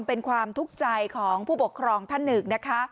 เป็นความทุกข์ใจของผู้ปกครองท่านหนึ่งนะคะ